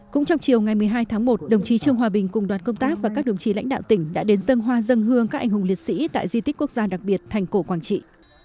cũng trong chiều ngày một mươi hai tháng một đồng chí trương hòa bình cùng đoàn công tác và các đồng chí lãnh đạo tỉnh đã đến dân hoa dân hương các anh hùng liệt sĩ tại di tích quốc gia đặc biệt thành cổ quảng trị